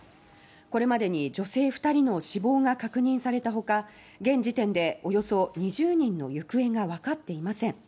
これまでに女性２人の死亡が確認されたほか現時点で、およそ２０人の行方がわかっていません。